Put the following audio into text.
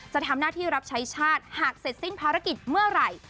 จะทำหน้าที่รับใช้ชาติหากเสร็จสิ้นภารกิจเมื่อไหร่